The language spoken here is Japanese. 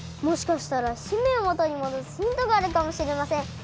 もしかしたら姫をもとにもどすヒントがあるかもしれません！